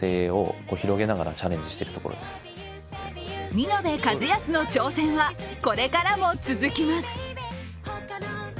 見延和靖の挑戦はこれからも続きます。